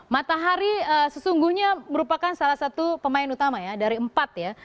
matahari sesungguhnya merupakan salah satu pemain utama ya dari empat ya